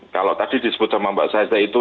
kalau tadi disebut sama mbak saza itu